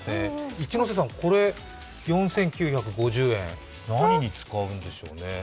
一ノ瀬さんこれ４９５０円何に使うんでしょうね？